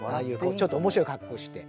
ちょっと面白い格好して。